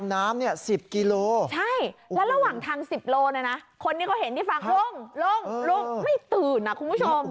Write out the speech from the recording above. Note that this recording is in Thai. คนนี้ก็เห็นดีฟังลุงไม่ตื่นฯคุณผู้ชม